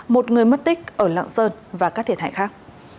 một người mất tích ở lạng sơn và các thiệt hại khác